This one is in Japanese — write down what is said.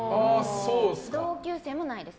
同級生もないです。